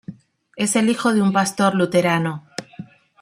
Es el hijo de un pastor luterano.